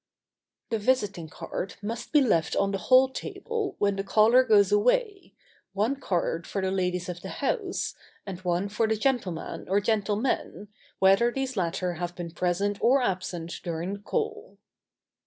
] The visiting card must be left on the hall table when the caller goes away, one card for the ladies of the house, and one for the gentleman or gentlemen, whether these latter have been present or absent during the call.